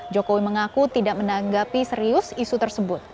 jokowi mengaku tidak menanggapi serius isu tersebut